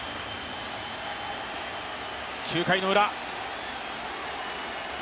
９回のウラ。